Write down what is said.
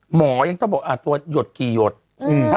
หมอยังต้องบอกตัวหยดกี่หยด